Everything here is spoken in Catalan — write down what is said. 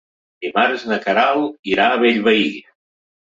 Dimarts na Queralt irà a Bellvei.